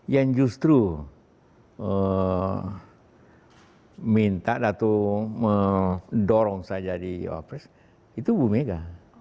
yang justru minta datuk mendorong saya jadi wakil presiden itu ibu mega